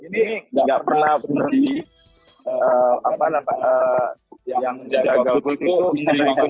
tidak pernah benar benar yang menjaga kulti itu di keunggulan